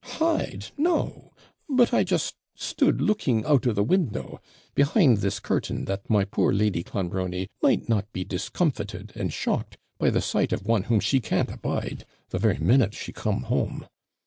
] Hide! no; but I just stood looking out of the window, behind this curtain, that my poor Lady Clonbrony might not be discomfited and shocked by the sight of one whom she can't abide, the very minute she come home.